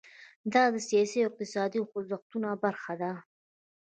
دا د سیاسي او اقتصادي خوځښتونو برخه ده.